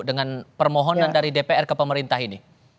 dengan permohonan dari dpr ke pemerintah ini